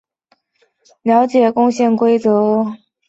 字根是字形类中文输入法拆字的基本形状单位。